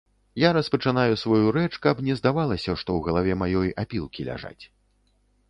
Я распачынаю сваю рэч, каб не здавалася, што ў галаве маёй апілкі ляжаць.